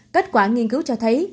kết quả nghiên cứu cho thấy